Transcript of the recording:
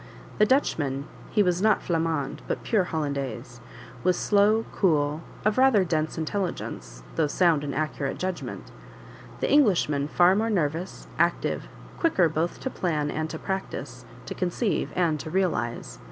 The Dutchman (he was not Flamand, but pure Hollandais) was slow, cool, of rather dense intelligence, though sound and accurate judgment; the Englishman far more nervous, active, quicker both to plan and to practise, to conceive and to realize.